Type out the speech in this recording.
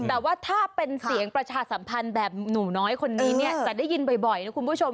แต่ว่าถ้าเป็นเสียงประชาสัมพันธ์แบบหนูน้อยคนนี้เนี่ยจะได้ยินบ่อยนะคุณผู้ชม